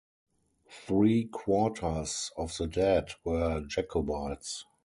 Three-quarters of the dead were Jacobites.